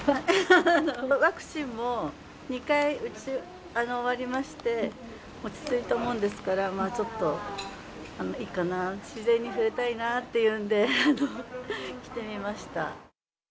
ワクチンも２回打ち終わりまして、落ち着いたもんですから、ちょっといいかな、自然に触れたいなあっていうんで、来てみました。